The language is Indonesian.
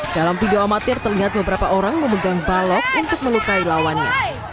dalam video amatir terlihat beberapa orang memegang balok untuk melukai lawannya